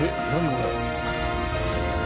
これ。